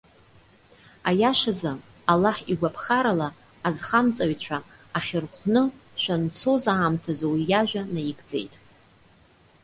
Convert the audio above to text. Аиашазы, Аллаҳ игәаԥхарала, азхамҵаҩцәа ахьырхәны шәанцоз аамҭазы уи иажәа наигӡеит.